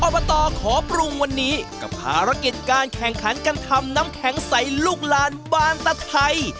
อบตขอปรุงวันนี้กับภารกิจการแข่งขันการทำน้ำแข็งใสลูกลานบานตะไทย